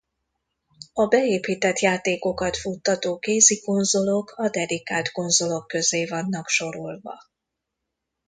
A beépített játékokat futtató kézikonzolok a dedikált konzolok közé vannak sorolva.